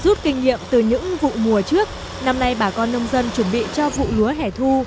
rút kinh nghiệm từ những vụ mùa trước năm nay bà con nông dân chuẩn bị cho vụ lúa hẻ thu